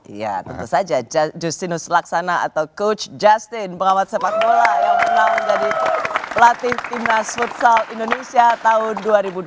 iya tentu saja justinus laksana atau coach justin pengamat sepak bola yang pernah menjadi pelatih timnas futsal indonesia tahun dua ribu dua puluh